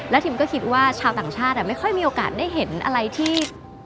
ทิมก็คิดว่าชาวต่างชาติไม่ค่อยมีโอกาสได้เห็นอะไรที่